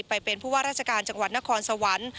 ไปเป็นผู้ว่าราชการจังหวัดนครสวรรค์